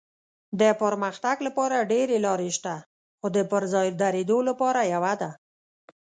د پرمختګ لپاره ډېرې لارې شته خو د پر ځای درېدو لاره یوه ده.